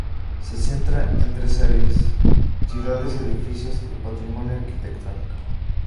Se centra en tres áreas: ciudades, edificios y patrimonio arquitectónico.